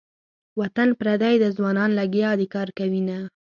وطن پردی ده ځوانان لګیا دې کار کوینه.